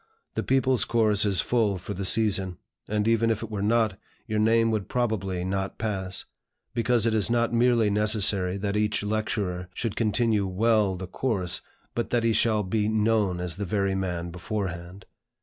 The People's Course is full for the season; and even if it were not, your name would probably not pass; because it is not merely necessary that each lecturer should continue well the course, but that he shall be known as the very man beforehand.